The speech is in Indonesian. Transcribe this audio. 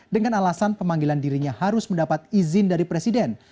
dengan alasan pemanggilan dirinya harus mendapat izin dari presiden